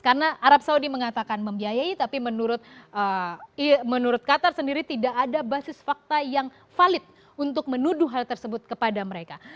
karena arab saudi mengatakan membiayai tapi menurut qatar sendiri tidak ada basis fakta yang valid untuk menuduh hal tersebut kepada mereka